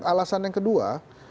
alasan yang kedua